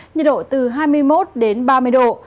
nhiệt độ từ hai mươi một đến ba mươi độ